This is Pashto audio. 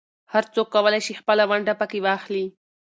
هر څوک کولای شي خپله ونډه پکې واخلي.